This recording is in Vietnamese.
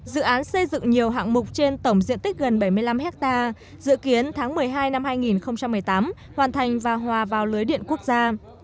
dự án xây dựng nhiều hạng mục trên tổng diện tích gần bảy mươi năm hectare dự kiến tháng một mươi hai năm hai nghìn một mươi tám hoàn thành và hòa vào lưới điện quốc gia